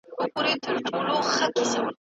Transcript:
د ټولني د غریبانو حق مه خوري.